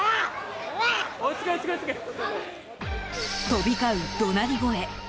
飛び交う怒鳴り声。